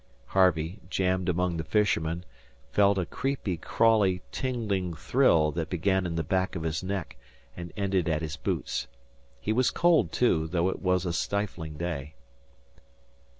Harvey, jammed among the fishermen, felt a creepy, crawly, tingling thrill that began in the back of his neck and ended at his boots. He was cold, too, though it was a stifling day.